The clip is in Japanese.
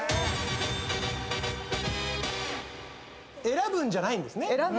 選ぶんじゃないんですね。